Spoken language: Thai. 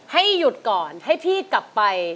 ให้หยุดก่อนให้พี่กลับไป